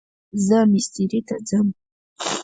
زه مستری ته ځم